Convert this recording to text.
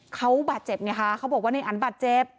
เขาบาดเจ็บไงคะเขาบอกว่าในอันบาดเจ็บ